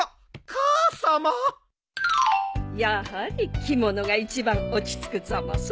やはり着物が一番落ち着くざます。